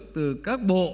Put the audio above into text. từ các bộ